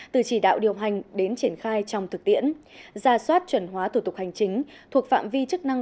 từ chỉ đạo điều hành đến triển khai trong thực tiễn ra soát chuẩn hóa thủ tục hành chính thuộc phạm vi chức năng